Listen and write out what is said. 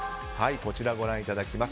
こちら、ご覧いただきます。